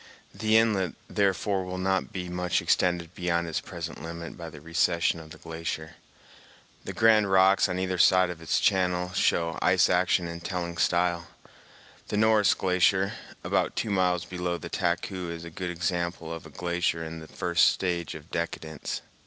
The inlet, therefore, will not be much extended beyond its present limit by the recession of the glacier. The grand rocks on either side of its channel show ice action in telling style. The Norris Glacier, about two miles below the Taku is a good example of a glacier in the first stage of decadence.